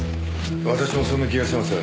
私もそんな気がします。